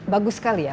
bagus sekali ya